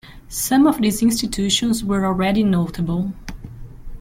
Some of these institutions were already notable.